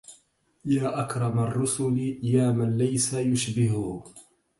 يا أكرم الرسل يا من ليس يشبهه